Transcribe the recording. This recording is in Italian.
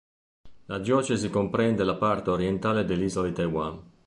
La diocesi comprende la parte orientale dell'isola di Taiwan.